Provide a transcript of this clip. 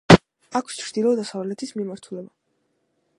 აქვს ჩრდილო-დასავლეთის მიმართულება.